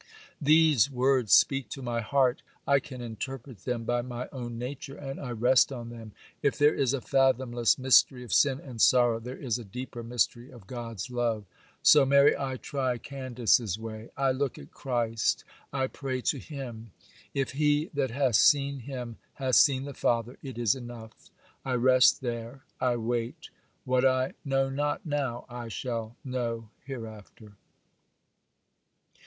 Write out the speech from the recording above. These words speak to my heart. I can interpret them by my own nature, and I rest on them. If there is a fathomless mystery of sin and sorrow, there is a deeper mystery of God's love. So, Mary, I try Candace's way,—I look at Christ,—I pray to Him. If he that hath seen Him hath seen the Father, it is enough. I rest there,—I wait. What I know not now I shall know hereafter.